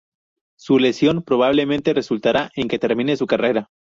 Su lesión probablemente resultará en que termine su carrera.